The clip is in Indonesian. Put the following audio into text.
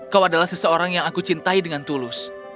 kau adalah seseorang yang aku cintai dengan tulus